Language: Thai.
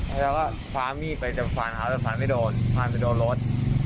แล้วก็ฟ้ามีดไปจากฟานหาวจากฟานไม่โดนฟานไปโดนรถ